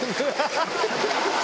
ハハハハ！」